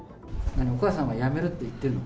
お母さんがやめるって言ってるの？